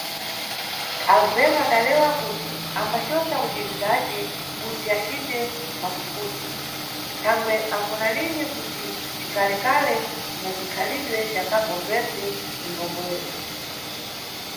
Alveno adalewa kuti ambacosa kubiri zace kuti acite mafufudze, thangwe anfunalini kuti cikalekale na cikhalidwe ca Cabo Verde bzwimbombowere.